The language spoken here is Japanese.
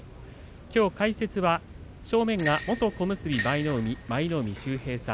きょう解説は正面が元小結舞の海、舞の海秀平さん